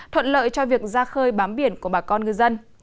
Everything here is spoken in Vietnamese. thuận lợi cho việc ra khơi bám biển của bà con ngư dân